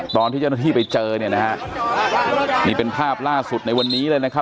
ตอนที่เจ้าหน้าที่ไปเจอเนี่ยนะฮะนี่เป็นภาพล่าสุดในวันนี้เลยนะครับ